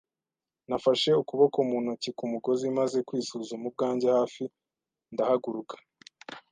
Nafashe ukuboko mu ntoki ku mugozi, maze kwisuzuma ubwanjye hafi, ndahaguruka